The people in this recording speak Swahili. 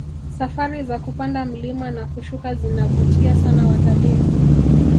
safari za kupanda mlima na kushuka zinavutia sana watalii